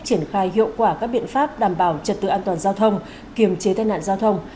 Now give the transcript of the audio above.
triển khai hiệu quả các biện pháp đảm bảo trật tự an toàn giao thông kiềm chế tai nạn giao thông